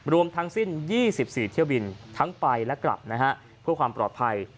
รวมทั้งสิ้น๒๔เที่ยวบินทั้งไปและกลับนะฮะเพื่อความปลอดภัย